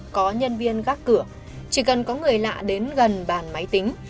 có nhân viên gắt cửa chỉ cần có người lạ đến gần bàn máy tính